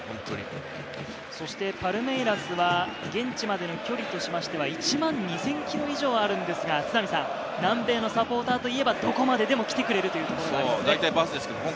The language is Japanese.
そしてパルメイラスは現地までの距離としましては１万２０００ｋｍ以上あるんですが、南米のサポーターといえば、どこまででも来てくれるというところがありますね。